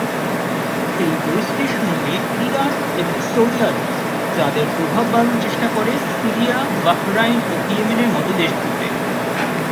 এই পরিস্থিতির সুযোগে ইরান এবং সৌদি আরব তাদের প্রভাব বাড়ানোর চেষ্টা করে সিরিয়া বাহরাইন ও ইয়েমেনের মতো দেশগুলোতে।